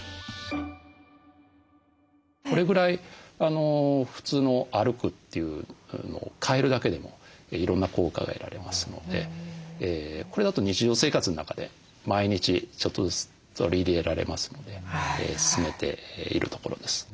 これぐらい普通の歩くというのを変えるだけでもいろんな効果が得られますのでこれだと日常生活の中で毎日ちょっとずつ取り入れられますので勧めているところです。